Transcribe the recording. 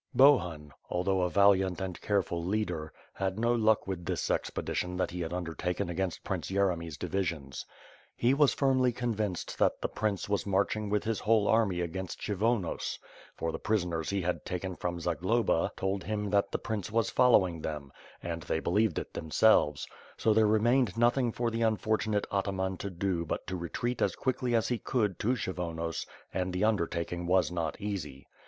BohnD, although a valiant and careful leader^ had no luck with this expedition that he had undertaken against Prince Yeremy's divisions. He was firmly convinced that the prince was marching with his whole army against Kshyvonos, for the prisoners he had taken from Zagloba told him that the prince was following them, and they believed it themselves; so there remained nothing for the unfortunate ataman to do but to retreat as quickly as he could to Kshyvonos and the under taking was not easy.